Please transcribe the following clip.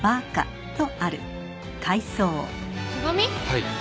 はい。